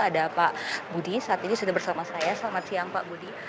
ada pak budi saat ini sudah bersama saya selamat siang pak budi